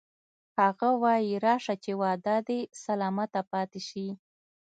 هغه وایی راشه چې وعده دې سلامته پاتې شي